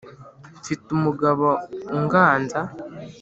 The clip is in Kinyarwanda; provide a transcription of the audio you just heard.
Mfite umugabo unganza